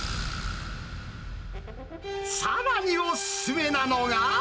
さらにお勧めなのが。